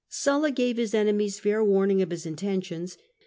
Sulla gave his enemies fair warning of his intentions.